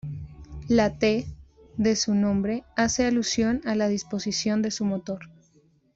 La "T" de su nombre hace alusión a la disposición de su motor.